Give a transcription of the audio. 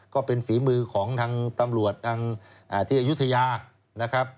ก็เป็นฝีมือของทางตำรวจที่อยุธยา